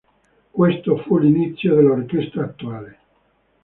Questo fu l'inizio dell'orchestra attuale.